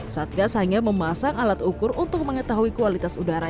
satgas hanya memasang alat ukur untuk mengetahui kualitas udara